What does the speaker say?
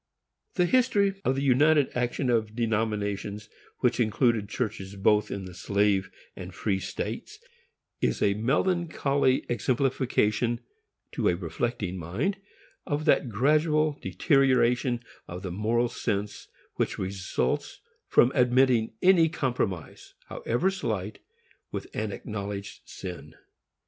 The history of the united action of denominations which included churches both in the slave and free states is a melancholy exemplification, to a reflecting mind, of that gradual deterioration of the moral sense which results from admitting any compromise, however slight, with an acknowledged sin.